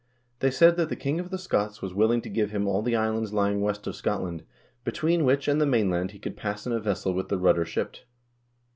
"They said that the king of the Scots was willing to give him all the islands lying west of Scotland, between which and the mainland he could pass in a vessel with the rudder shipped.